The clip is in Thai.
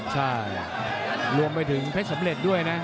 ใช่รวมไปถึงเพชรสำเร็จด้วยนะ